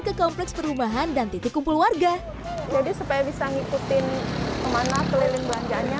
ke kompleks perumahan dan titik kumpul warga jadi supaya bisa ngikutin kemana keliling belanjaannya